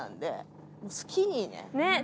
ねっ！